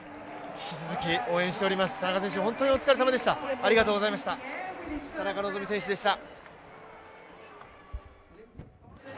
引き続き応援しております、本当にお疲れ様でした。